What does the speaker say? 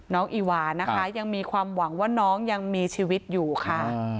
อีหวานนะคะยังมีความหวังว่าน้องยังมีชีวิตอยู่ค่ะ